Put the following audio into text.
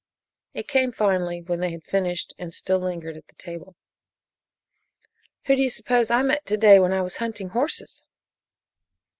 It came finally when they had finished and still lingered at the table. "Who do you suppose I met to day when I was hunting horses?"